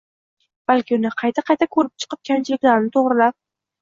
Balki, uni qayta-qayta ko‘rib chiqib, kamchiliklarini to‘g‘rilab